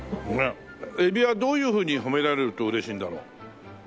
海老はどういうふうに褒められると嬉しいんだろう？